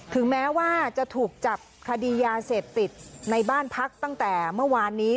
ถึงแม้ว่าจะถูกจับคดียาเสพติดในบ้านพักตั้งแต่เมื่อวานนี้